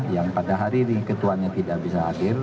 yang pada hari ini ketuanya tidak bisa hadir